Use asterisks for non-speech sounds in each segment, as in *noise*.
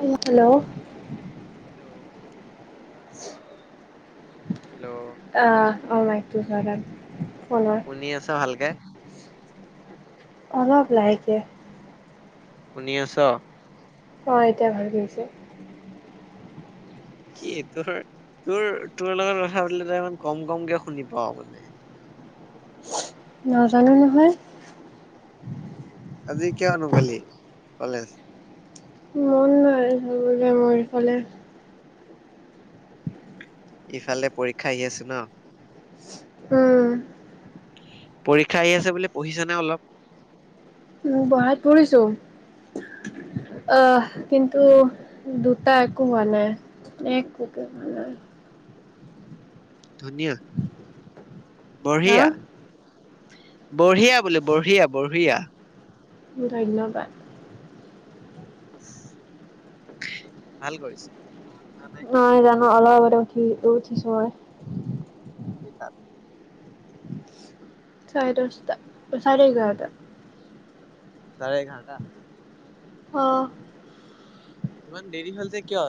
Hello hello hello অ মাই দু ধাৰণ শুনি আছা ভালকে অলপ লাহেকে শুনি আছ অ এতিয়া ভাল হৈছে কি তোৰ তোৰ তোৰ লগত কথা পাতিলে ত ইমান কম কমকে শুনি পাও মানে নাজানো নহয় আজি কিয় নাগলি কলেজ মন নাই যাবলৈ মোৰ ইফালে ইফালে পৰীক্ষা আহি আছে ন উম পৰীক্ষা আহি আছে বুলি পঢ়িছানে অলপ উ পঢ়াত পঢ়িছো আহ কিন্তু দুটা একো হোৱা নাই একো হোৱা নাই ধুনিয়া হা বঢ়িয়া বঢ়িয়া বোলে বঢ়িয়া বঢ়িয়া ধন্যবাদ *unintelligible* ভাল কৰিছ *unintelligible* অ অলপ আগতে হুই উঠিছো মই এ তাত চাৰে দহ তাত অ চাৰে এঘাৰ তাত চাৰে এঘাৰ তা অ ইমান দেৰি হল যে কিয়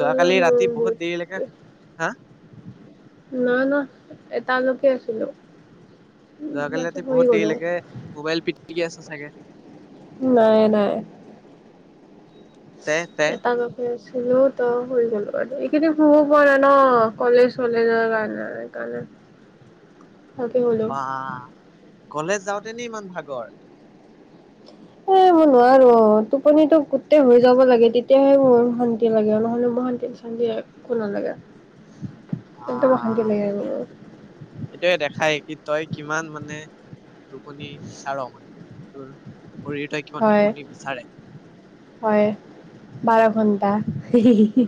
যোৱাকালি ৰাতি বহুত দেৰিলৈকে হা নহ নহ এটালৈকে আছিলো যোৱাকালি তাৰপিছত ৰাতি শুই বহুত দেৰি গ'লো। লাগে মোবাইল পিটিকি আছ তাকে নাই নাই। তে তে এটা লৈকে আছ ছিলো ত হৈ গলো অ এইগিদিন শুব পৰা নাই ন কলেজ চলেজৰ কাৰণে সেইকাৰণে ভালকে শুলো। বাঁহ কলেজ যাওঁতেনে ইমান ভাগৰ এ মই নোৱাৰো অ টোপনি টো গোটেই হৈ যাব লাগে তেতিয়াহে মোৰ শান্তি লাগে নহলে মোৰ শান্তি চান্তি একো নালাগে একদম অশান্তি আহ লাগে মোৰ। এইটে দেখাই কি তই কিমান মানে টোপনি বিচাৰ মানে তোৰ শৰীৰ তই কিমান হয় টোপনি বিচাৰে হয় বাৰ ঘন্টা হি-হি-হি-হি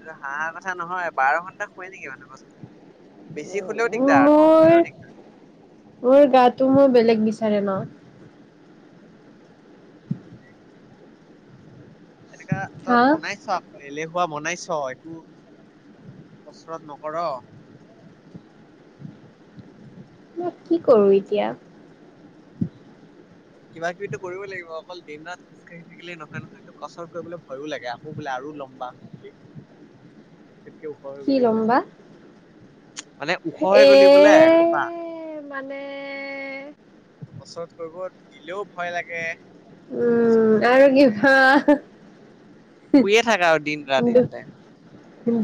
এটো হাঁহা কথা নহয় বাৰ ঘন্টা শুৱে নেকি মানুহ কোৱাচোন বেছি শুলেও দিগদাৰ কম মোৰ শুলেও দিগদাৰ মোৰ গাটো মই বেলেগ বিচাৰে ন এনেকা তই হা বনাইছ আকৌ এলেহু এনেকুৱা বনাইছ একো কচৰত নকৰ মই কি কৰো এতিয়া কিবা কিবিতো কৰিবই লাগিব অকল দিন ৰাত খোজ কাঢ়ি থাকিলে নহয় নহয়ো কচৰত কৰিবলে ভয়ো লাগে আকৌ বোলে আৰু লম্বা বুলি কেতকে ওখ হৈ কি গলি ল'ম বোলে বা? মানে ওখ হৈ এ গলি বোলে এসোপা মানে কত দিলেও ভয় লাগে কচৰত উম আৰু কি ভা শুয়ে থাকা আৰু দিন ৰাতি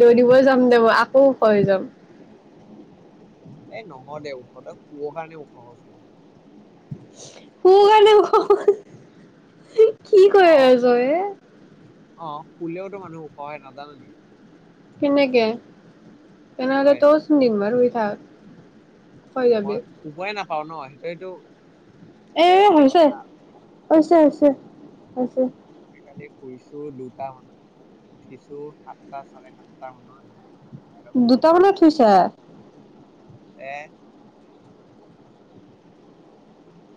দৌৰিব যাম দে ম আকৌ ওষ হৈ যাম এ নহয় দে ওখ ত শুৱ কাৰণে ওখ শু কাৰনে ওখ হি- হি কি কৈ অ আছ হে অ শুলেওতো মানুহ ওখ হয় নাজান নেকি কেনেকে তেনেলে হয় তচ ন দিন মাৰু সাত মই শুবয়ে নাপাওঁ ভা ন সেইটো সটো এএ এ হৈছে হৈছে হৈছে হৈছে মই কালি শুইছো দুটা মানত উঠিছো সাতটা চাৰে সাতটা মানত হে দুটামানত শুইছো। এ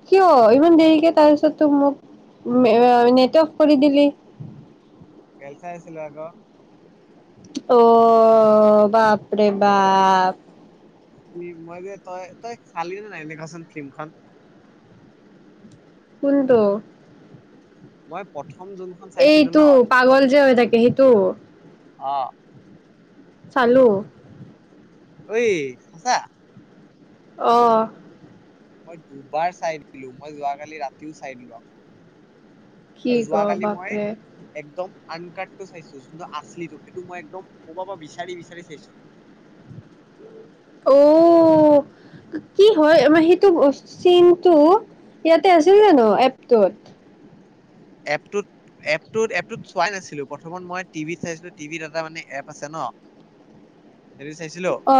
কিয় ইমান দেৰিকে তাৰপিছত তো মোক নেট অফ কৰি দিলি। খেল চাইছিলো আকৌ। অও বাপৰে বাবাবাপ। হম মই যে তই তই চালি নে নাই লিখাচোন ফিল্মখন। কোনটো। মই পত। এইটো পাগল যে হৈ থাকে সেই। তো। অ চালু। ঐ সচাঁ অ'হ মই দুবাৰ চাই দিলো মই যোৱাকালি ৰাতিও চাই দিলো। আকৌ কি ক বাপৰে। আন কাৰ্ডটো চাইছো যোনটো আচলি তো সেইটো মই একদম কোৰবাৰপৰা বিচাৰি বিচাৰি চাইছো মান। অও কি হয় আমাৰ সেইটো চমটো ইয়াতে আছিল জানো এপটোত। এপটোত এপটোত এপটোত চোৱাই নাছিলো। প্ৰথমত মই টিভিত চাইছিলো টিভিত এটা মানে এপ আছে। ন হেৰি চাইছিলো। অ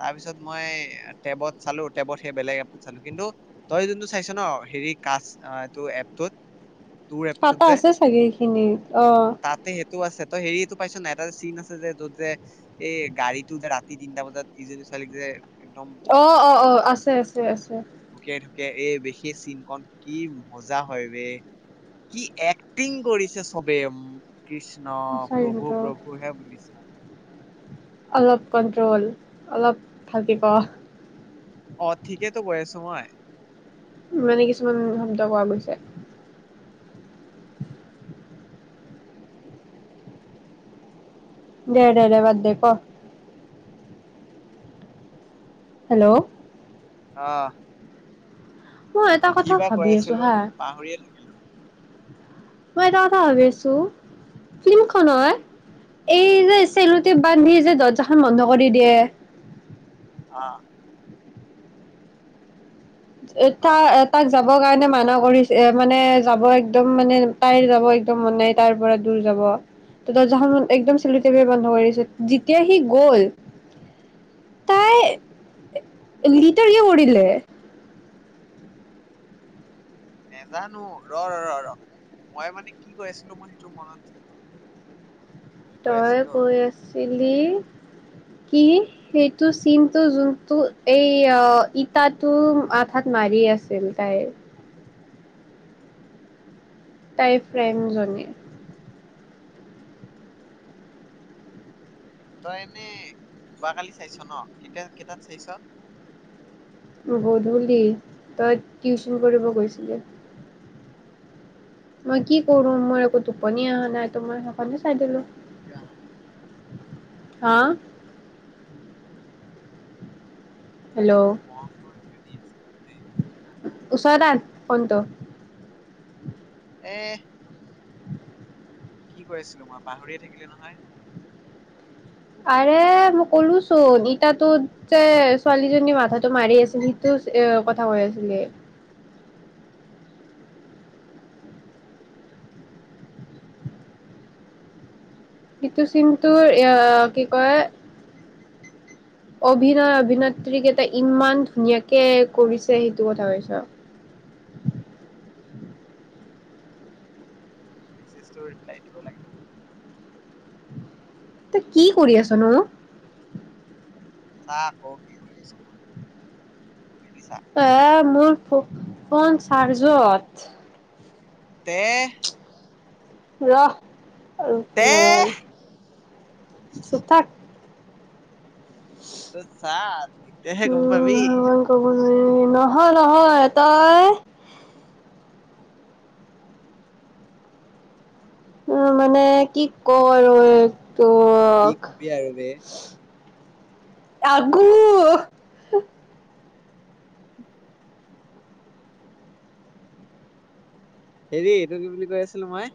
তাৰ পিছত মই টেবত চালো টেবত সেই বেলেগ এপটোত চালো কিন্তু তই যোনটো চাইছ ন হেৰি কাচ এইটো এপটোত। তোৰ এপটোত তাতে যে আছে চাগেই। সিনি। তাতে সেইটো আছে। ত হেৰিটো পাইছ ন এটা চিন আছে। যে য'ত যে এই গাড়ীটো যে ৰাতি তিনটা বজাত ইজনী ছোৱালীক যে। একদম অ অ অ আছে। আছে, আছে, আছে। ঢুকিয়াই ঢকিয়াই এই সেইষ চিনক কি মজা হয় ব কি এক্টিং কৰিছে। চবে উম কৃষ্ণ সঁচাই প্ৰভু কিন্তু প্ৰভু হে বুলিছ। অলপ কণ্ট্ৰল অলপ থাকিব। অ ঠিকেইতো গৈছোঁ। মই মানে কিছুমান শব্দ কোৱা গৈছে। দে দে দে বদে ক। হেল্ল'। অহ। মই এটা কথা ভাবি আছো আছিলো হা। পাহৰিয়ে থাকিলো মই এটা কথা ভাবি আছো ফিল্মখন হয়। এই যে চেলট বান্ধি যে দৰ্জাখন বন্ধ কৰি দিয়ে। অহঁ এটা অ এটাক। যাবৰ কাৰণে মানা কৰিছে। এ মানে যাব একদম মানে তাই যাব একদম মানেই তাইৰ পৰা দূৰ যাব ত দৰ্জাখন একদম চেলি বন্ধ কৰিছে যেতিয়া সি গল তাই লিটাৰ কৰিলে। নজানো ৰ ৰ ৰ ৰ মই মানে কি কৈ আছিলো মই সেইটো মনত কি কৈ তই আছিলো কৈ আছিলি কি সেইটো চীনটো জোনটো এই ইটাটো আঠাত মাৰি আছিল তাইৰ তাই ফ্ৰেম জনী তই এনে যোৱাকালি চাইছ ন কেতিয়া কেইটাত চাইছ গধূলি তই টিউচন কৰিব গৈছিলি মই কি কৰো মোৰ একো টোপনি অহা নাই মই সেইকাৰণে চাই দিলো কিয় হ হাঁ কিবা কিবি ফৰ্ম ফৰ্ম দি আছে ওচৰত আন ফোনটো এ কি কৈ আছিলো মই পাহৰিয়ে থাকিলো নহয় আৰে মই কলোচোন ইতাতো যে ছোৱালীজনীৰ মাথাটো মাৰি আছিল সেটো এ কথা কৈ আছিলে সেইতু চিনতোৰ এ কি কয় অভিনয় অভিনেত্ৰী কেইটা ইমান ধুনীয়াকে কৰিছে সেইটো কথা কৈছ আৰু উম মেছেজটো ৰিপ্লাই দিব লাগে তই কি কৰি আছ ন চাহ আক কি কৰি আছো মই মেলি চা আহ মোৰফ ফোন চাৰ্জত তে ৰ আৰু তে কি লগা চুপ থাক ত চা তেতিয়াহে গম উম, পাবি ভগৱান ক'ব নহয় নহয় তই উম মানে কি কৰ উম, একটো কি কবি আৰু বে আগো হেৰি এইটো কি বুলি কৈ আছিলো মই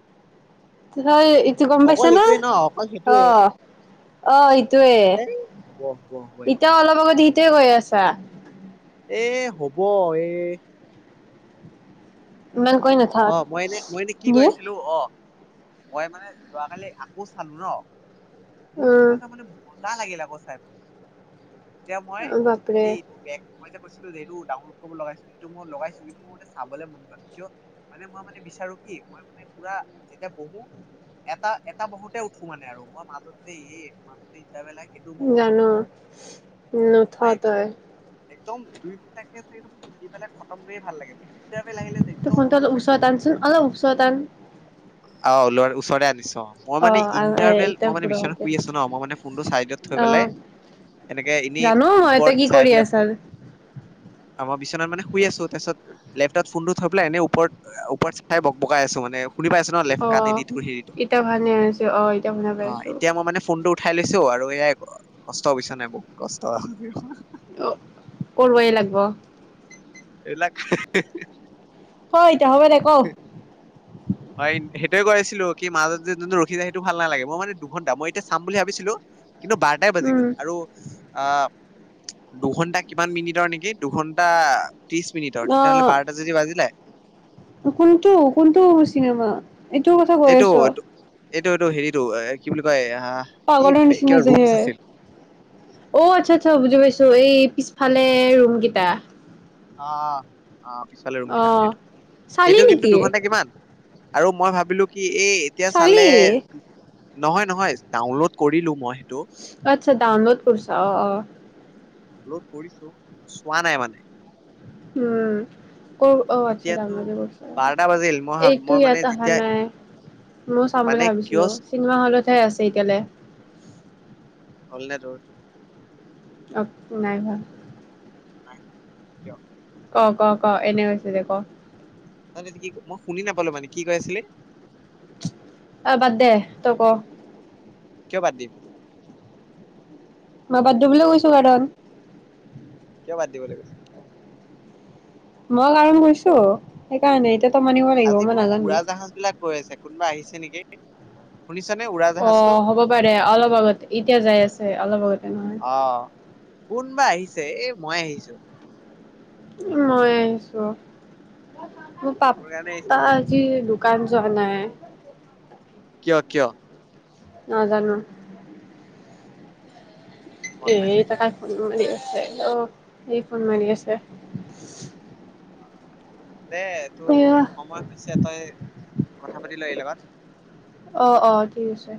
*inaudible* গম পাইছ অকল না এইটোৱে ন অঁ অঁ হে হব হব কি কৈ আছা এ হ'ব এ ইমান কৈ অ নাথাক। মই এনে মই এনে কি ইয়ে কৰিছিলো অ মই মানে যোৱাকালি আকৌ চালো ন মোৰ উম, কিবা এটা মানে ম য লাগিল আকৌ চাইব তেতিয়া মই বাপৰে এই এইটো বেগ মই যে কৈছিলো যটো ডাউনোড কৰিব লগাইছো সেইটো মই লগাইছো কিন্তু মোৰ চাবলে মন যোৱা নাই কিয়? মানে মই মানে বিচাৰো কি মই মানে পুৰা যেতিয়া বহো এটা এটা বহোতে উঠো মানে আৰু মই মাজত যে এই মাজতে জানো উ নুঠ মই একদম তই একদম দুই ঘণ্টাকে বহি পেলাই খতম কৰি ভাল লাগে মোৰ ইণ্টাৰভেল আহিলে ত একদম ফোনটো ভাল অলপ নালাগে। ওচৰত আনচোন অলপ ওচৰ আন অ ল ওচৰলে আনিছো মই মানে অ', ইণ্টাৰভেল এতিয়া মই মানে পুৰা বিচনাত ভালকে শুই আছো ন মই মানে ফোনটো চাইডত থৈ পেলাই অ', এনেকে এনেই জানো মই ওপৰত তই কি চাই কৰি পেলাই আছা। মই বিচনাত মানে শুই আছো তাৰপিছত লেপটপ ফোনটো থম এনে ওপৰতৰ ওপৰত চাই বক বকাই আছো মানে শুনি পাইছো ন লেফ্ট অ কাণেদি তোৰ হেৰিটো এতিয়া ভালকে শুনছো অহ এতিয়া শুনি অ পাইছো এতিয়া মই মানে ফোনটো উঠাই লৈছো আৰু এয়াই কষ্ট বুইছা নাই বহুত কষ্ট অ কৰৱাই লাগব এইবিলাক হি হি হি হয় তে হ দেখ *unintelligible* হয় সেইটোৱে গছিলো কি মাজত যোনটো ৰখি যায় সেইটো ভাল নালাগে মই মানে দুঘন্টা মই এতিয়া চাম বুলি ভাবিছিলো কিন্তু বাৰটাই বাজি গ'ল আৰু অ দুঘন্টা কিমান মিনিটৰ নেকি দুঘন্টা ত্ৰিশ মিনিটৰ তেতিয়াহ'লে বাৰটা যদি বাজিলে কোনটো কোনটো চিনেমা? এইটোও কথা কৈ এইটো আছো এইটো এইটো হেৰিটো এ কি বুলি কয় এ পাগলৰ নিচিনা যে হে অ আচ্ছা আচ্ছা বুজি পাইছো এই পিছ ভালে ৰুমকিটা অ অ পিছফালে ৰুমকেইটা সেইটো চালি সেইটো কিন্তু নেকি দুঘণ্টা কিমান? আৰু মই ভাবিলো কি এই এতিয়া চালে চালি। নহয় নহয় ডাউনলোড কৰিলো মই সেইটো আচ্ছা ডাউন লদ কৰিছা অ অ ডাউনলোড কৰিছো চোৱা নাই মানে উম অ অ আচ্ছা এতিয়াতো ডাউনলড এ কৰিছা বাৰটা বাজিল মই ভাব এইটো মই মানে ইয়াত অহা যেতিয়া নাই ময় চাম মানে বুলি কিয় ভাবিছিলো চিনেমা হলতহে আছে এতিয়ালৈ হল নে তোৰ? অ নাই হোৱা নাই কিয় ক ক ক এনে কৈছো দে ক ত কি মই শুনি নাপালো মানে কি কৈ আছিলে আহ বাদ দে তই ক কিয় বাদ দিম মই বাদ দিবলৈ কৈছো কাৰণ কিয় বাদ দিব লাগিব মই কাৰণ হৈছো সেইকাৰণে এতিয়া তই মানিব লাগিব আজি মই বহুত নাজানো উৰা জাহাজ বিলাক গৈ আছে কোনোবা আহিছে নেকি এক অ হ'ব পাৰে অলপ আগতে এতিয়া যাই আছে অলপ আগতে নহয় আছে এ মই আহিছো মই আহিছো মোৰ কাৰণে আহিছে পাপা মানে আজি দোকান যোৱা নাই কিয় কিয় নাজানোঁ মন এ নাই চাগে তাত অ এই ফোন মাৰি আছে অ দে টো এয়া সময় হৈছে তই কথা পাতি ল এই লগত অ অ ঠিক আছে